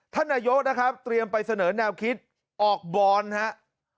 ท่านนายกนะครับเตรียมไปเสนอแนวคิดออกบรอนครับ